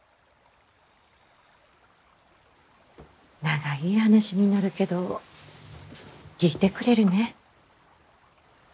長い話になるけど聞いてくれるねぇ？